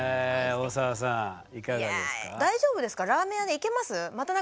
大丈夫ですか？